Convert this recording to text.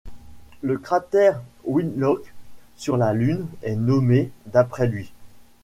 Le cratère Winlock sur la Lune est nommé d'après lui.